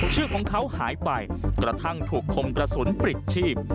ชื่อของเขาหายไปกระทั่งถูกคมกระสุนปลิดชีพ